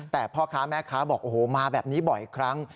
แต่พ่อค้าแม่ค้าบอกโอ้โหมาแบบนี้บ่อยครั้ง